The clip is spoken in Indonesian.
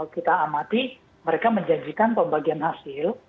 kita amati mereka menjanjikan pembagian hasil